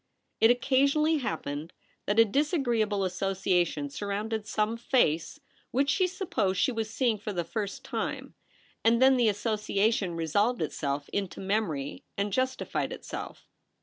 It occasionally happened that a disagreeable association surrounded some face which she supposed she was seeing for the first time ; and then the association resolved Itself Into memory, and justified Itself.